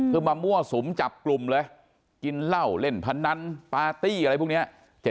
คือมามั่วสุมจับกลุ่มเลยกินเหล้าเล่นพนันปาร์ตี้อะไรพวกนี้